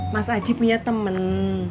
mas aji punya temen